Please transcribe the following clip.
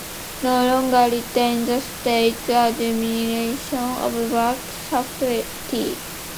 No longer retain the State Administration of Work Safety.